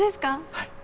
はい。